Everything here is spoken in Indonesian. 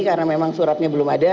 karena memang suratnya belum ada